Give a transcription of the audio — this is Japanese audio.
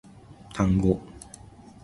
タンゴ